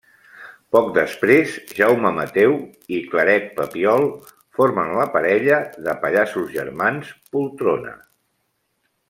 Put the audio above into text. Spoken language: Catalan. Poc després, Jaume Mateu i Claret Papiol formen la parella de pallassos Germans Poltrona.